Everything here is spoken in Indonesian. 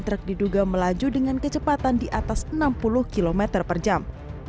truk diduga melaju dengan kecepatan di atas enam puluh km per jam